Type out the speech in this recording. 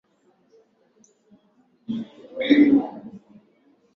kwa ada ya Euro milioni thelathini na tano milioni na kusaini miaka sita